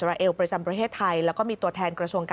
ของช่วงที่วางหลีดที่ลงศพค่ะ